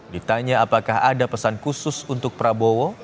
ditanya apakah ada pesan khusus untuk prabowo